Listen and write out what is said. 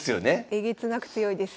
えげつなく強いです。